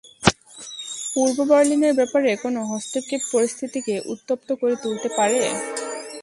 পূর্ব বার্লিনের ব্যাপারে কোন হস্তক্ষেপ পরিস্থিতিকে উত্তপ্ত করে তুলতে পারে।